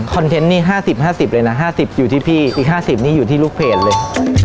เทนต์นี่๕๐๕๐เลยนะ๕๐อยู่ที่พี่อีก๕๐นี่อยู่ที่ลูกเพจเลย